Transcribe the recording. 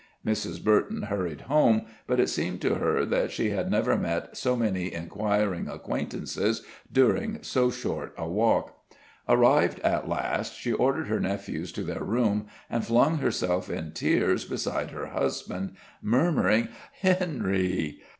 Mrs. Burton hurried home, but it seemed to her that she had never met so many inquiring acquaintances during so short a walk. Arrived at last, she ordered her nephews to their room, and flung herself in tears beside her husband, murmuring: "Henry!"